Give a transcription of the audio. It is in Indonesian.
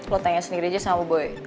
lo tanya sendiri aja sama boy